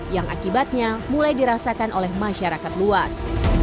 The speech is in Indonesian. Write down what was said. yang akibatnya mulai dirasakan oleh masyarakat luas